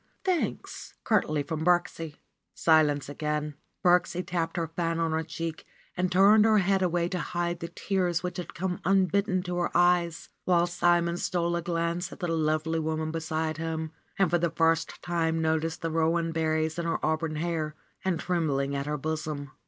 "Thanks !" curtly from Birksie. Silence again. Birksie tapped her fan on her cheek and turned her head away to hide the tears which would come unbidden to her eyes, while Simon stole a glance at the lovely woman beside him and for the first time noticed the rowan berries in her auburn hair and trembling at her bosom.